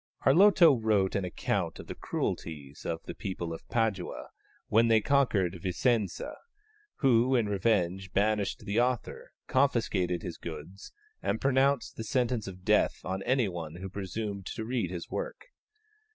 Arlotto wrote an account of the cruelties of the people of Padua when they conquered Vicenza, who, in revenge, banished the author, confiscated his goods, and pronounced sentence of death on any one who presumed to read his work.